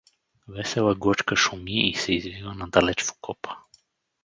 Весела глъчка шуми и се извива надалеч в окопа.